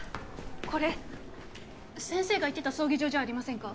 これ先生が行ってた葬儀場じゃありませんか？